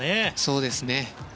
そうですね。